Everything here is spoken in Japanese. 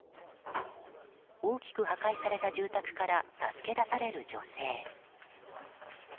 大きく破壊された住宅から助け出される女性。